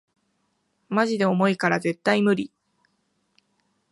マジで重いから絶対ムリ